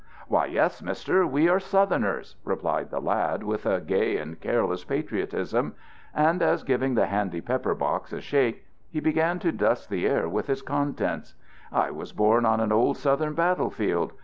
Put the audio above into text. "Why, yes, Mister, we are Southerners," replied the lad, with a gay and careless patriotism; and as giving the handy pepper box a shake, he began to dust the air with its contents: "I was born on an old Southern battle field.